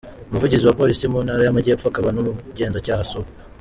Umuvugizi wa Polisi mu ntara y’Amajyepfo akaba n’umugenzacyaha Sup.